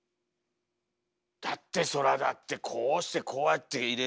だってそらだってこうしてこうやって入れるよりかは。